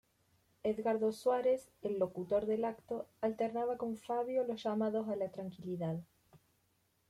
Edgardo Suárez, el locutor del acto, alternaba con Favio los llamados a la tranquilidad.